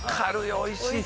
おいしい